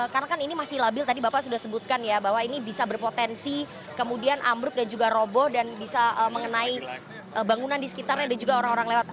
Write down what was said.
karena kan ini masih labil tadi bapak sudah sebutkan ya bahwa ini bisa berpotensi kemudian ambruk dan juga robo dan bisa mengenai bangunan di sekitarnya dan juga orang orang lewat